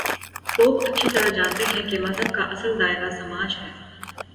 Pope اچھی طرح جانتے ہیں کہ مذہب کا اصل دائرہ سماج ہے۔